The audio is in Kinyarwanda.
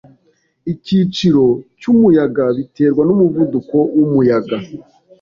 Icyiciro cyumuyaga biterwa numuvuduko wumuyaga.